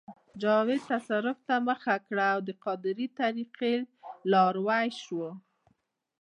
جاوید تصوف ته مخه کړه او د قادرې طریقې لاروی شو